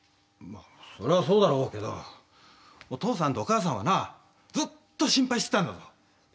それはそうだろうけどお父さんとお母さんはなずっと心配してたんだぞ。